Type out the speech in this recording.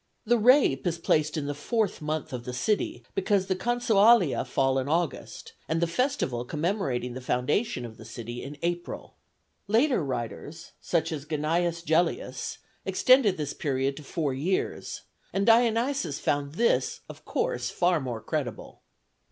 The rape is placed in the fourth month of the city, because the consualia fall in August, and the festival commemorating the foundation of the city in April; later writers, as Cn. Gellius, extended this period to four years, and Dionysius found this of course far more credible.